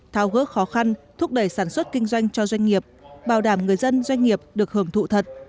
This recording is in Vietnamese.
thao gớ khó khăn thúc đẩy sản xuất kinh doanh cho doanh nghiệp bảo đảm người dân doanh nghiệp được hưởng thụ thật